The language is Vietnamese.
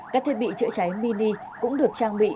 các thiết bị chữa cháy mini cũng được trang bị